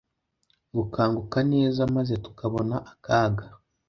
gukanguka neza maze tukabona akaga